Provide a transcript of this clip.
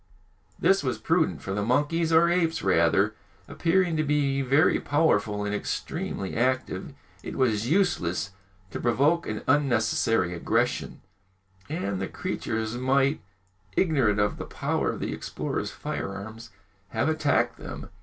This was prudent, for the monkeys, or apes rather, appearing to be very powerful and extremely active, it was useless to provoke an unnecessary aggression, and the creatures might, ignorant of the power of the explorer's firearms, have attacked them.